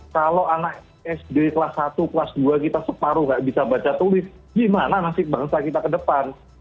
kalau anak sd kelas satu kelas dua kita separuh nggak bisa baca tulis gimana nasib bangsa kita ke depan